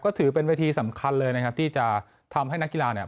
ก็ถือเป็นเวทีสำคัญเลยนะครับที่จะทำให้นักกีฬาเนี่ย